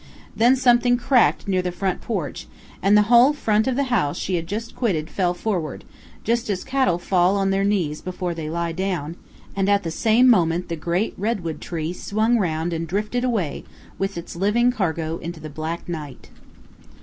Then something cracked near the front porch, and the whole front of the house she had just quitted fell forward just as cattle fall on their knees before they lie down and at the same moment the great redwood tree swung round and drifted away with its living cargo into the black night.